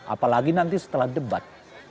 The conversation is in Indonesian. apalagi nanti setelah debat